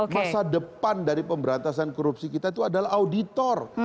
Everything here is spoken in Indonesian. masa depan dari pemberantasan korupsi kita itu adalah auditor